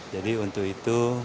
jadi untuk itu